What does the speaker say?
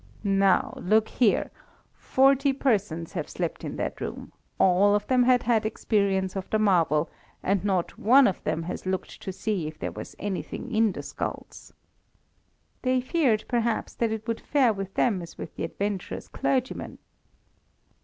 "Now, look here! Forty persons have slept in that room; all of them have had experience of the marvel, and not one of them has looked to see if there was anything in the skulls." "They feared, perhaps, that it would fare with them as with the adventurous clergyman."